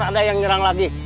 ada yang nyerang lagi